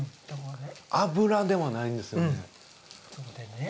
脂でもないんですよね。